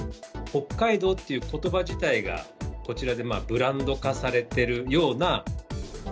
北海道ということば自体が、こちらでブランド化されてるような。